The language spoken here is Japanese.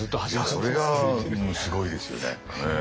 それがすごいですよね。